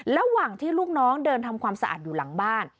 ระหว่างที่ลูกน้องเดินทำความสะอาดอยู่หลังบ้าน